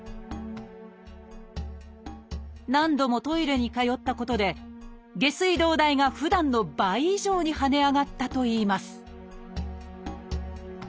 何度もトイレに通ったことで下水道代がふだんの倍以上に跳ね上がったといいます